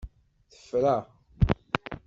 Tefra!